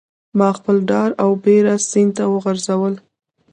ماخپل ډار او بیره سیند ته وغورځول